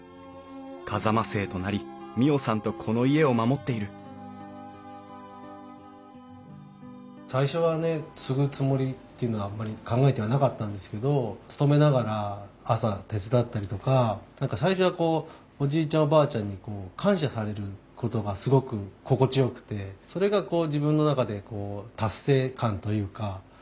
風間姓となり未央さんとこの家を守っている最初はね継ぐつもりっていうのはあんまり考えてはなかったんですけど勤めながら朝手伝ったりとか何か最初はこうおじいちゃんおばあちゃんに感謝されることがすごく心地よくてそれが自分の中で達成感というかあっ農業って面白いなあと。